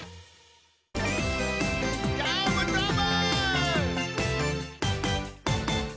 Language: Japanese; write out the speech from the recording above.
どーもどーも！